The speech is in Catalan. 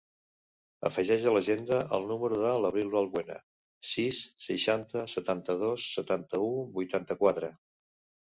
Afegeix a l'agenda el número de l'Abril Valbuena: sis, seixanta, setanta-dos, setanta-u, vuitanta-quatre.